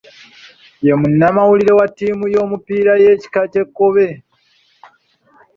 Ye munnamawulire wa ttiimu y’omupiira ey’ekika ky’ekkobe.